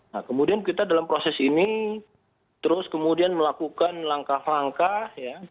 nah kemudian kita dalam proses ini terus kemudian melakukan langkah langkah ya